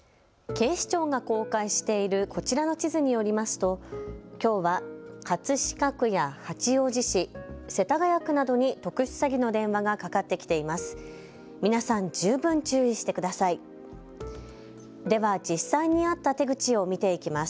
警視庁が公開しているこちらの地図によりますときょうは葛飾区や八王子市、世田谷区などに特殊詐欺の電話がかかってきています。